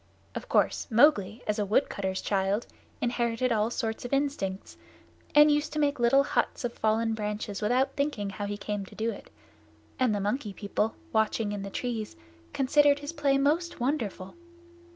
Of course Mowgli, as a woodcutter's child, inherited all sorts of instincts, and used to make little huts of fallen branches without thinking how he came to do it. The Monkey People, watching in the trees, considered his play most wonderful.